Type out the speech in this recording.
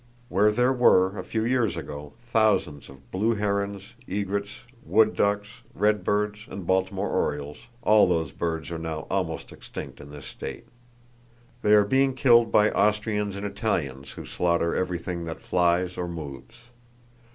Where there were, a few years ago, thousands of blue herons, egrets, wood ducks, redbirds, and Baltimore orioles, all those birds are now almost extinct in this state. They are being killed by Austrians and Italians, who slaughter everything that flies or moves.